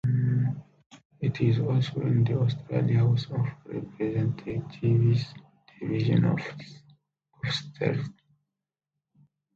It is also in the Australian House of Representatives Division of Sturt.